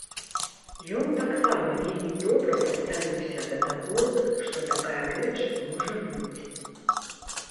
Ён таксама вельмі добра паставіўся да таго, што такая рэч можа быць.